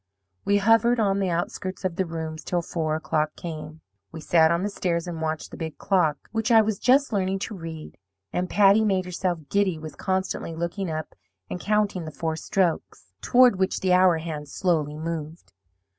"We hovered on the outskirts of the rooms till four o'clock came. We sat on the stairs and watched the big clock, which I was just learning to read; and Patty made herself giddy with constantly looking up and counting the four strokes, toward which the hour hand slowly moved.